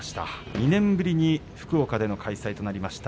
２年ぶりに福岡での開催となりました